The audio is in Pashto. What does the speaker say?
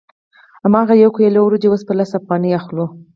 هماغه یو کیلو وریجې اوس په لس افغانۍ اخلو